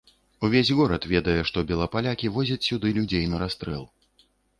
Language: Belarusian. Увесь горад ведае, што белапалякі возяць сюды людзей на расстрэл.